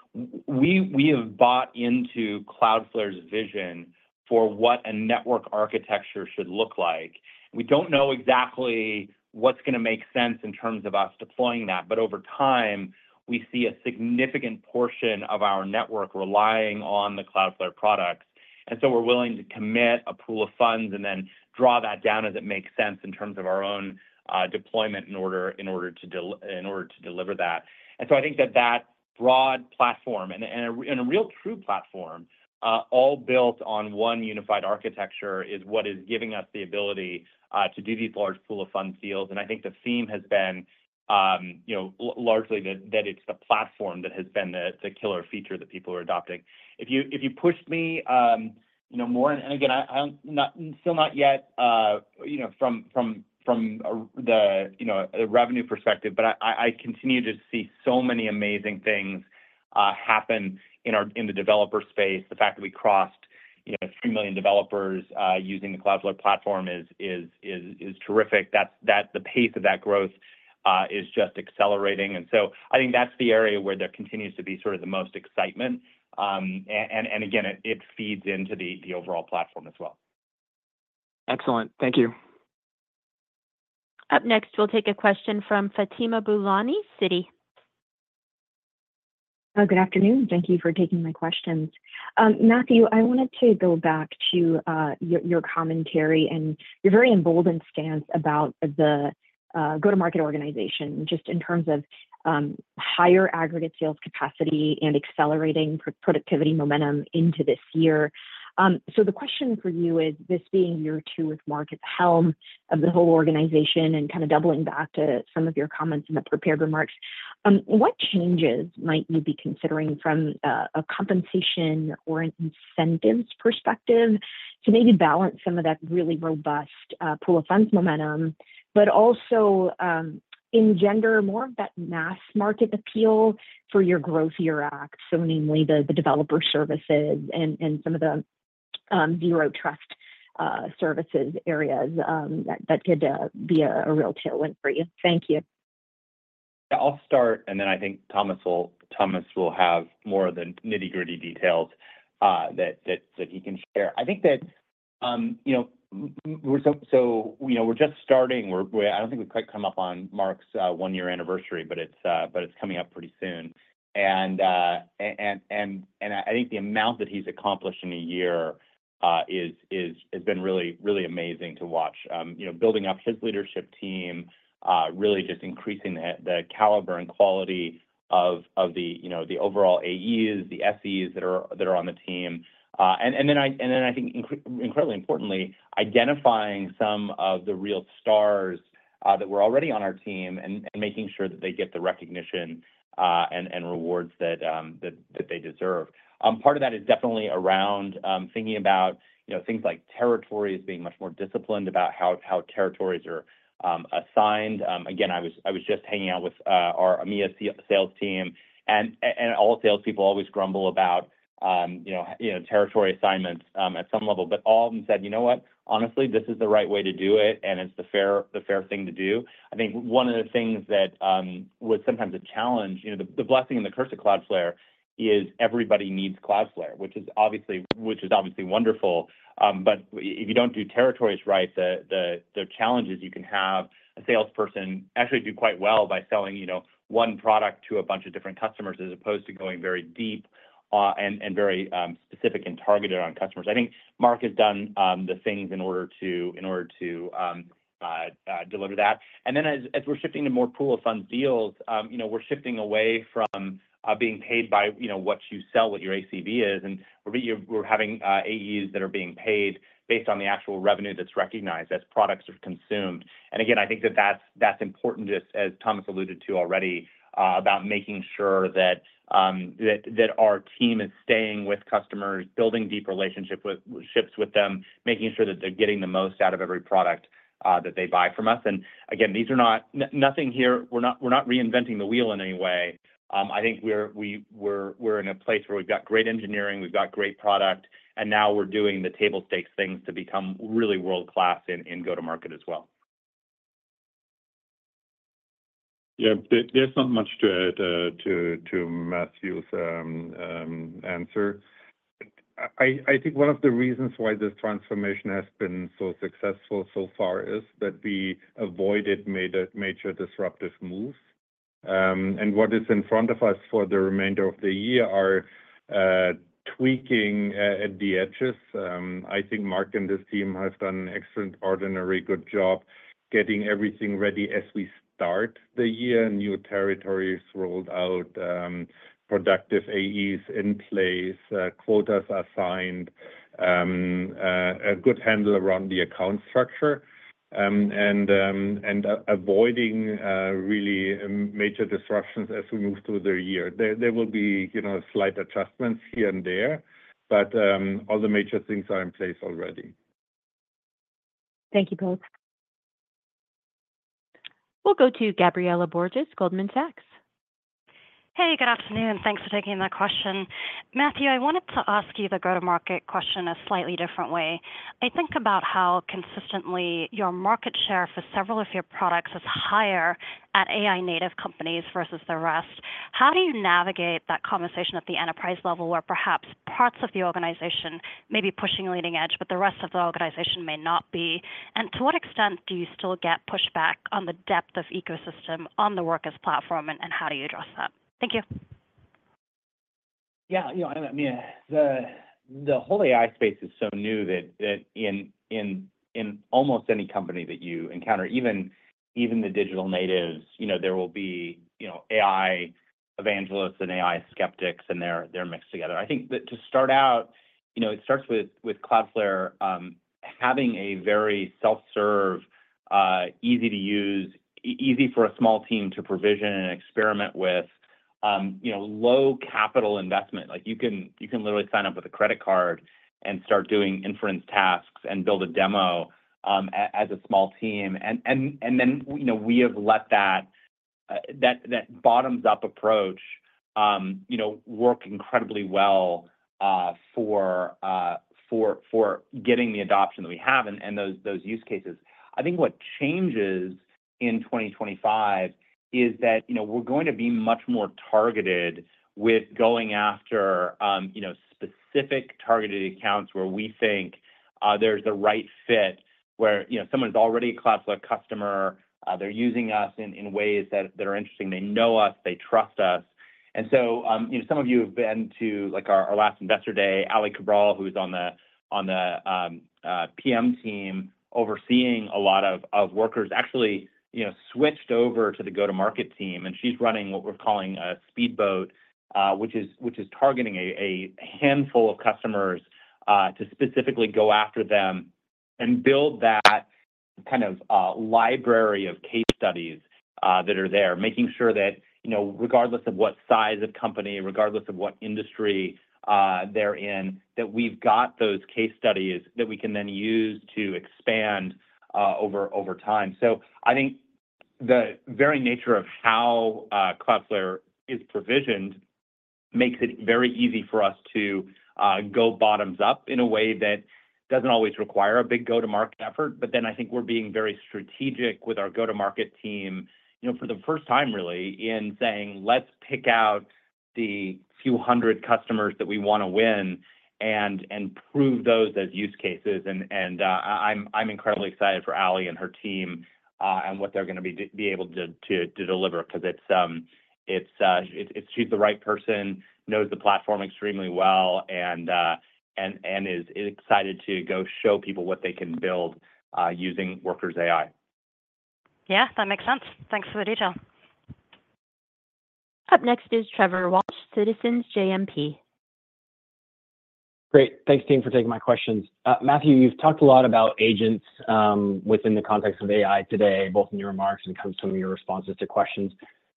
"We have bought into Cloudflare's vision for what a network architecture should look like. We don't know exactly what's going to make sense in terms of us deploying that. But over time, we see a significant portion of our network relying on the Cloudflare products. And so we're willing to commit a pool of funds and then draw that down as it makes sense in terms of our own deployment in order to deliver that." And so I think that that broad platform and a real true platform all built on one unified architecture is what is giving us the ability to do these large pool of funds deals. And I think the theme has been largely that it's the platform that has been the killer feature that people are adopting. If you pushed me more, and again, I'm still not yet from the revenue perspective, but I continue to see so many amazing things happen in the developer space. The fact that we crossed 3 million developers using the Cloudflare platform is terrific. The pace of that growth is just accelerating. And so I think that's the area where there continues to be sort of the most excitement. And again, it feeds into the overall platform as well. Excellent. Thank you. Up next, we'll take a question from Fatima Boolani, Citi. Good afternoon. Thank you for taking my questions. Matthew, I wanted to go back to your commentary and your very emboldened stance about the go-to-market organization just in terms of higher aggregate sales capacity and accelerating productivity momentum into this year. So the question for you is, this being year two with Mark at the helm of the whole organization and kind of doubling back to some of your comments in the prepared remarks, what changes might you be considering from a compensation or an incentives perspective to maybe balance some of that really robust pool of funds momentum, but also engender more of that mass market appeal for your growth you're at, so namely the developer services and some of the zero trust services areas that could be a real tailwind for you? Thank you. I'll start, and then I think Thomas will have more of the nitty-gritty details that he can share. I think that we're just starting. I don't think we've quite come up on Mark's one-year anniversary, but it's coming up pretty soon. And I think the amount that he's accomplished in a year has been really amazing to watch, building up his leadership team, really just increasing the caliber and quality of the overall AEs, the SEs that are on the team. And then I think, incredibly importantly, identifying some of the real stars that were already on our team and making sure that they get the recognition and rewards that they deserve. Part of that is definitely around thinking about things like territories being much more disciplined about how territories are assigned. Again, I was just hanging out with our EMEA sales team. And all salespeople always grumble about territory assignments at some level. But all of them said, "You know what? Honestly, this is the right way to do it, and it's the fair thing to do." I think one of the things that was sometimes a challenge, the blessing and the curse of Cloudflare, is everybody needs Cloudflare, which is obviously wonderful. But if you don't do territories right, the challenge is you can have a salesperson actually do quite well by selling one product to a bunch of different customers as opposed to going very deep and very specific and targeted on customers. I think Mark has done the things in order to deliver that. And then as we're shifting to more pool of funds deals, we're shifting away from being paid by what you sell, what your ACV is. And we're having AEs that are being paid based on the actual revenue that's recognized as products are consumed. And again, I think that that's important, as Thomas alluded to already, about making sure that our team is staying with customers, building deep relationships with them, making sure that they're getting the most out of every product that they buy from us. And again, nothing here, we're not reinventing the wheel in any way. I think we're in a place where we've got great engineering, we've got great product, and now we're doing the table stakes things to become really world-class in go-to-market as well. Yeah. There's not much to Matthew's answer. I think one of the reasons why this transformation has been so successful so far is that we avoided major disruptive moves. And what is in front of us for the remainder of the year are tweaking at the edges. I think Mark and his team have done an extraordinary good job getting everything ready as we start the year, new territories rolled out, productive AEs in place, quotas assigned, a good handle around the account structure, and avoiding really major disruptions as we move through the year. There will be slight adjustments here and there, but all the major things are in place already. Thank you both. We'll go to Gabriela Borges, Goldman Sachs. Hey, good afternoon. Thanks for taking that question. Matthew, I wanted to ask you the go-to-market question a slightly different way. I think about how consistently your market share for several of your products is higher at AI-native companies versus the rest. How do you navigate that conversation at the enterprise level where perhaps parts of the organization may be pushing leading edge, but the rest of the organization may not be? To what extent do you still get pushback on the depth of ecosystem on the Workers platform, and how do you address that? Thank you. Yeah. I mean, the whole AI space is so new that in almost any company that you encounter, even the digital natives, there will be AI evangelists and AI skeptics, and they're mixed together. I think that to start out, it starts with Cloudflare having a very self-serve, easy to use, easy for a small team to provision and experiment with low capital investment. You can literally sign up with a credit card and start doing inference tasks and build a demo as a small team. And then we have let that bottom-up approach work incredibly well for getting the adoption that we have and those use cases. I think what changes in 2025 is that we're going to be much more targeted with going after specific targeted accounts where we think there's the right fit, where someone's already a Cloudflare customer, they're using us in ways that are interesting, they know us, they trust us. And so some of you have been to our last investor day, Aly Cabral, who is on the PM team, overseeing a lot of workers, actually switched over to the go-to-market team. And she's running what we're calling a speedboat, which is targeting a handful of customers to specifically go after them and build that kind of library of case studies that are there, making sure that regardless of what size of company, regardless of what industry they're in, that we've got those case studies that we can then use to expand over time. So I think the very nature of how Cloudflare is provisioned makes it very easy for us to go bottoms-up in a way that doesn't always require a big go-to-market effort. But then I think we're being very strategic with our go-to-market team for the first time, really, in saying, "Let's pick out the few hundred customers that we want to win and prove those as use cases." And I'm incredibly excited for Aly and her team and what they're going to be able to deliver because she's the right person, knows the platform extremely well, and is excited to go show people what they can build using Workers AI. Yeah. That makes sense. Thanks for the detail. Up next is ,Trevor Walsh, Citizens JMP. Great. Thanks, Team, for taking my questions. Matthew, you've talked a lot about agents within the context of AI today, both in your remarks and some of your responses to questions.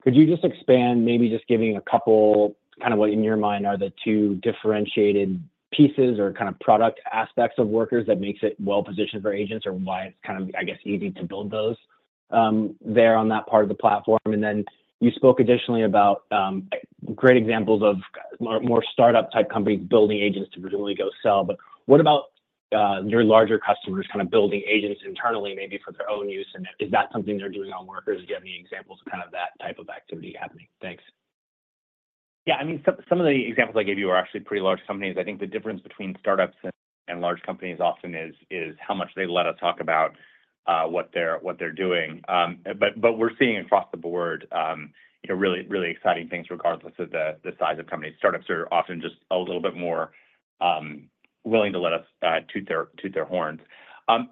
Could you just expand maybe just giving a couple kind of what, in your mind, are the two differentiated pieces or kind of product aspects of workers that makes it well-positioned for agents or why it's kind of, I guess, easy to build those there on that part of the platform? And then you spoke additionally about great examples of more startup-type companies building agents to really go sell. But what about your larger customers kind of building agents internally maybe for their own use? And is that something they're doing on workers? Do you have any examples of kind of that type of activity happening? Thanks. Yeah. I mean, some of the examples I gave you are actually pretty large companies. I think the difference between startups and large companies often is how much they let us talk about what they're doing, but we're seeing across the board really exciting things regardless of the size of company. Startups are often just a little bit more willing to let us toot their horns.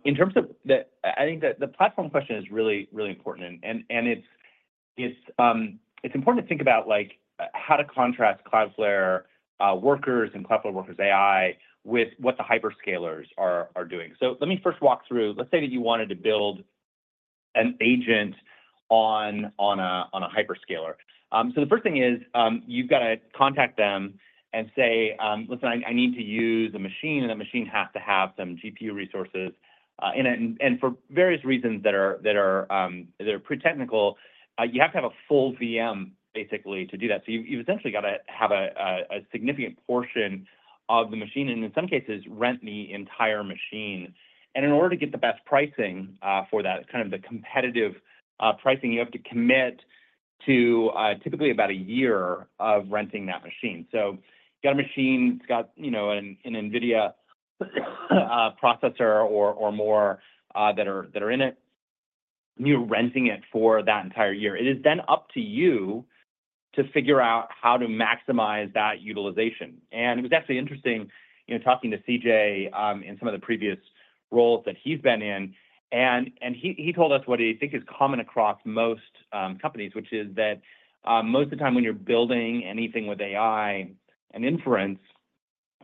In terms of the platform question is really important, and it's important to think about how to contrast Cloudflare Workers and Cloudflare Workers AI with what the hyperscalers are doing, so let me first walk through. Let's say that you wanted to build an agent on a hyperscaler, so the first thing is you've got to contact them and say, "Listen, I need to use a machine, and the machine has to have some GPU resources," and for various reasons that are pretty technical, you have to have a full VM, basically, to do that. So you've essentially got to have a significant portion of the machine and, in some cases, rent the entire machine. And in order to get the best pricing for that, kind of the competitive pricing, you have to commit to typically about a year of renting that machine. So you've got a machine, it's got an NVIDIA processor or more that are in it, and you're renting it for that entire year. It is then up to you to figure out how to maximize that utilization. And it was actually interesting talking to CJ in some of the previous roles that he's been in. And he told us what he thinks is common across most companies, which is that most of the time when you're building anything with AI and inference,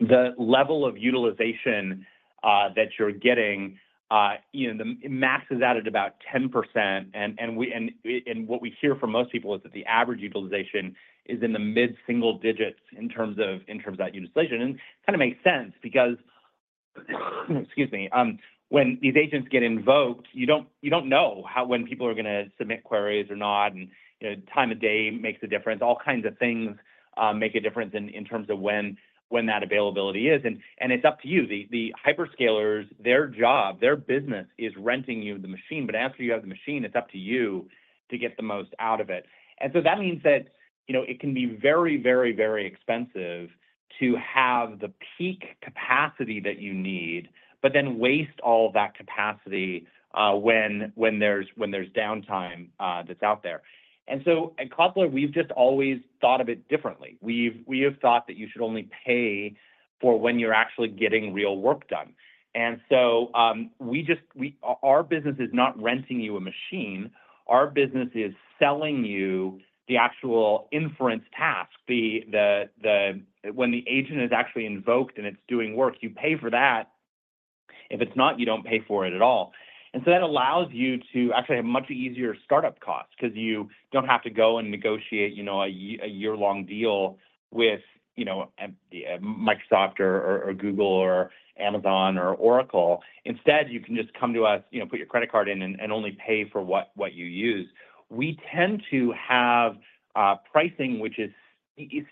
the level of utilization that you're getting maxes out at about 10%. And what we hear from most people is that the average utilization is in the mid-single digits in terms of that utilization. And it kind of makes sense because, excuse me, when these agents get invoked, you don't know when people are going to submit queries or not. And time of day makes a difference. All kinds of things make a difference in terms of when that availability is. And it's up to you. The hyperscalers, their job, their business is renting you the machine. But after you have the machine, it's up to you to get the most out of it. And so that means that it can be very, very, very expensive to have the peak capacity that you need, but then waste all that capacity when there's downtime that's out there. And so at Cloudflare, we've just always thought of it differently. We have thought that you should only pay for when you're actually getting real work done, and so our business is not renting you a machine. Our business is selling you the actual inference task. When the agent is actually invoked and it's doing work, you pay for that. If it's not, you don't pay for it at all, and so that allows you to actually have much easier startup costs because you don't have to go and negotiate a year-long deal with Microsoft or Google or Amazon or Oracle. Instead, you can just come to us, put your credit card in, and only pay for what you use. We tend to have pricing which is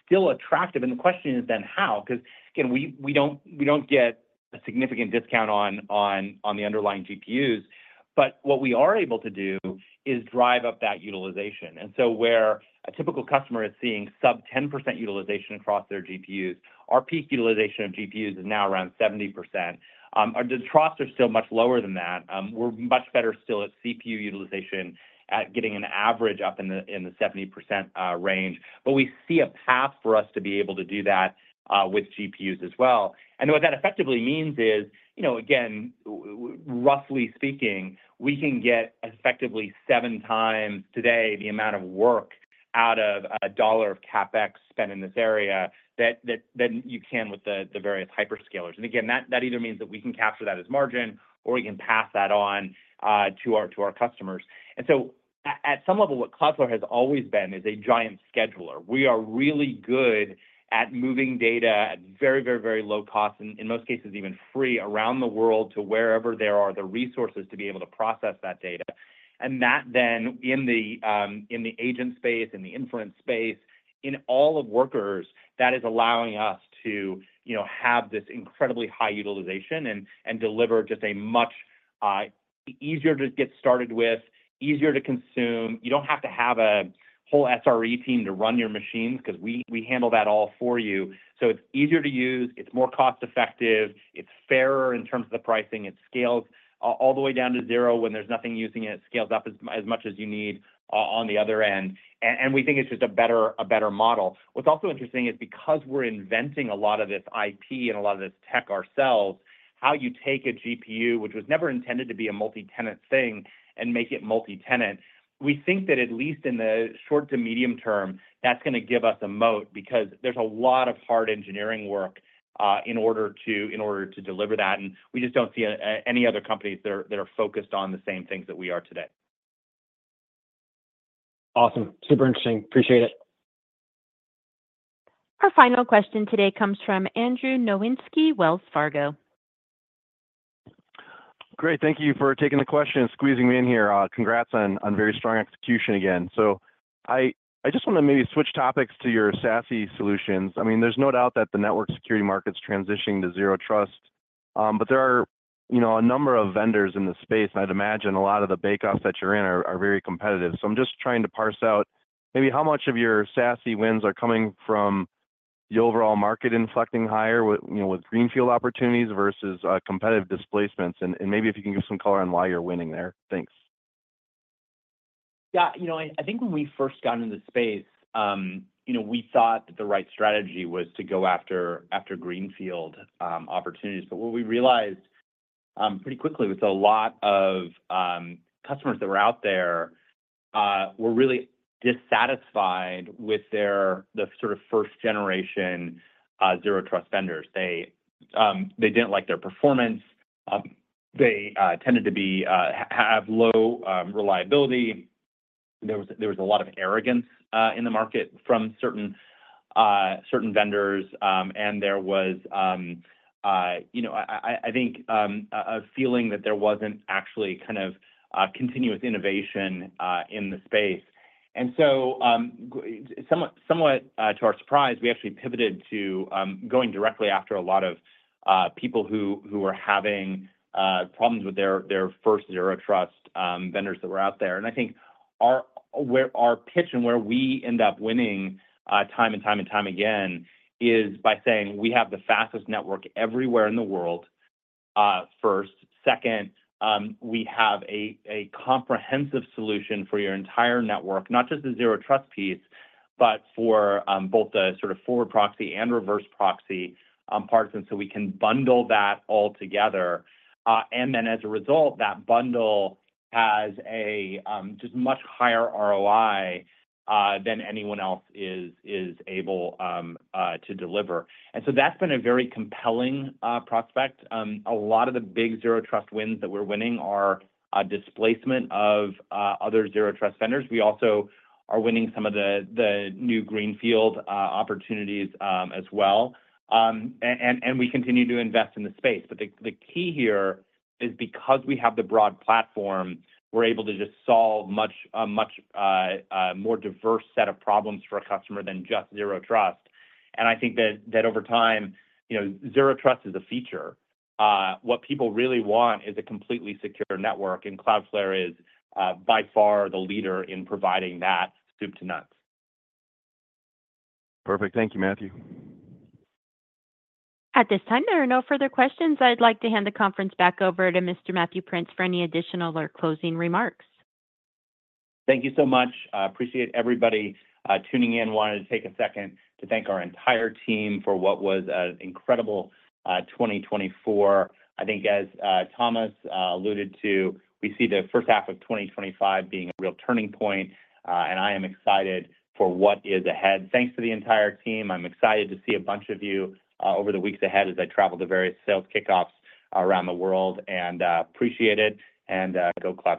still attractive, and the question is then how because, again, we don't get a significant discount on the underlying GPUs, but what we are able to do is drive up that utilization. Where a typical customer is seeing sub-10% utilization across their GPUs, our peak utilization of GPUs is now around 70%. The throughput is still much lower than that. We're much better still at CPU utilization, at getting an average up in the 70% range. But we see a path for us to be able to do that with GPUs as well. And what that effectively means is, again, roughly speaking, we can get effectively seven times today the amount of work out of a $1 of CapEx spent in this area than you can with the various hyperscalers. And again, that either means that we can capture that as margin or we can pass that on to our customers. And so at some level, what Cloudflare has always been is a giant scheduler. We are really good at moving data at very, very, very low cost, in most cases even free, around the world to wherever there are the resources to be able to process that data. And that then, in the agent space, in the inference space, in all of workers, that is allowing us to have this incredibly high utilization and deliver just a much easier-to-get-started-with, easier-to-consume. You don't have to have a whole SRE team to run your machines because we handle that all for you. So it's easier to use. It's more cost-effective. It's fairer in terms of the pricing. It scales all the way down to zero when there's nothing using it. It scales up as much as you need on the other end. And we think it's just a better model. What's also interesting is because we're inventing a lot of this IP and a lot of this tech ourselves, how you take a GPU, which was never intended to be a multi-tenant thing, and make it multi-tenant. We think that at least in the short to medium term, that's going to give us a moat because there's a lot of hard engineering work in order to deliver that. And we just don't see any other companies that are focused on the same things that we are today. Awesome. Super interesting. Appreciate it. Our final question today comes from Andrew Nowinski, Wells Fargo. Great. Thank you for taking the question and squeezing me in here. Congrats on very strong execution again. So I just want to maybe switch topics to your SASE solutions. I mean, there's no doubt that the network security market's transitioning to Zero Trust. But there are a number of vendors in the space, and I'd imagine a lot of the bake-offs that you're in are veryb competitive. So I'm just trying to parse out maybe how much of your SASE wins are coming from the overall market inflecting higher with greenfield opportunities versus competitive displacements. And maybe if you can give some color on why you're winning there. Thanks. Yeah. I think when we first got into the space, we thought that the right strategy was to go after greenfield opportunities. But what we realized pretty quickly was a lot of customers that were out there were really dissatisfied with the sort of first-generation Zero Trust vendors. They didn't like their performance. They tended to have low reliability. There was a lot of arrogance in the market from certain vendors. There was, I think, a feeling that there wasn't actually kind of continuous innovation in the space. Somewhat to our surprise, we actually pivoted to going directly after a lot of people who were having problems with their first Zero Trust vendors that were out there. I think our pitch and where we end up winning time and time and time again is by saying, "We have the fastest network everywhere in the world, first. Second, we have a comprehensive solution for your entire network, not just the Zero Trust piece, but for both the sort of Forward Proxy and Reverse Proxy parts." We can bundle that all together. As a result, that bundle has just much higher ROI than anyone else is able to deliver. That's been a very compelling prospect. A lot of the big zero trust wins that we're winning are displacement of other zero trust vendors. We also are winning some of the new greenfield opportunities as well. And we continue to invest in the space. But the key here is because we have the broad platform, we're able to just solve a much more diverse set of problems for a customer than just zero trust. And I think that over time, zero trust is a feature. What people really want is a completely secure network. And Cloudflare is by far the leader in providing that soup to nuts. Perfect. Thank you, Matthew. At this time, there are no further questions. I'd like to hand the conference back over to Mr. Matthew Prince for any additional or closing remarks. Thank you so much. Appreciate everybody tuning in. Wanted to take a second to thank our entire team for what was an incredible 2024. I think as Thomas alluded to, we see the first half of 2025 being a real turning point, and I am excited for what is ahead. Thanks to the entire team. I'm excited to see a bunch of you over the weeks ahead as I travel to various sales kickoffs around the world, and appreciate it, and go Cloudflare.